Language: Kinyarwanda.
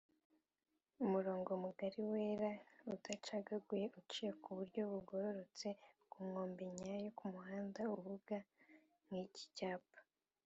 umurongo mugari wera udacagaguye uciye kuburyo bugororotse kunkombe nyayo y’umuhanda uvuga nk’icyicyapa